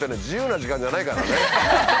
自由な時間じゃないからね。